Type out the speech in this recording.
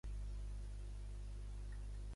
Ella parla en català i jo en castellà.